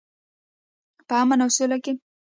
په امن او سوله کې.